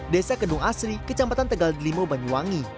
desa kedung asri kecamatan tegal delimo banyuwangi